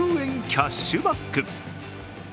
キャッシュバック。